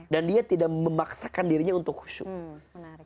dan dia tidak memaksakan dirinya untuk khusus